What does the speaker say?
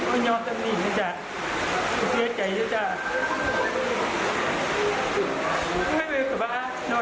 คนสุดท้ายมันได้เครทิพย์ที่นี่ครับบ้าน